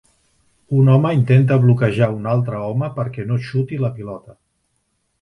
Un home intenta bloquejar un altre home perquè no xuti la pilota.